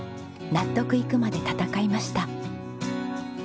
納得いくまで戦いました。